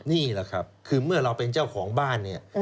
นี่แหละครับคือเมื่อเราเป็นเจ้าของบ้านเนี่ย